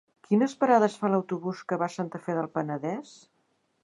Quines parades fa l'autobús que va a Santa Fe del Penedès?